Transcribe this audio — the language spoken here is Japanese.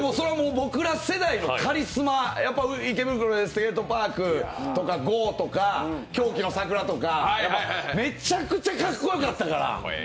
僕ら世代のカリスマ、「池袋ウエストゲートパーク」とか、「狂気の桜」とか、めちゃくちゃかっこよかったから。